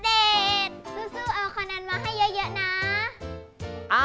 สู้เอาคะแนนมาให้เยอะนะ